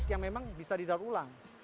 yang memang bisa didaur ulang